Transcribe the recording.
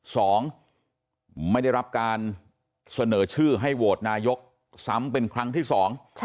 สองไม่ได้รับการเสนอชื่อให้โหวตนายกซ้ำเป็นครั้งที่สอง